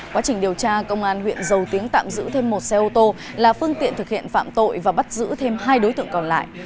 quá trình điều tra công an huyện dầu tiếng tạm giữ thêm một xe ô tô là phương tiện thực hiện phạm tội và bắt giữ thêm hai đối tượng còn lại